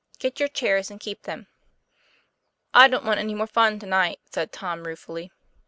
Get your chairs, and keep them." "I don't want any more fun to night," said Tom ruefully.